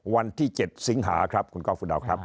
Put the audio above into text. วันที่๗สิงหาครับคุณก้อฟุดาวครับ